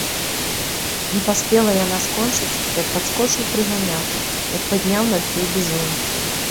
Не паспела яна скончыць, як падскочыў прыганяты, як падняў над ёй бізун.